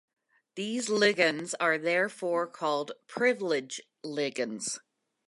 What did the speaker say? These ligands are therefore called privileged ligands.